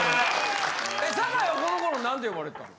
坂井はこの頃なんて呼ばれてたん？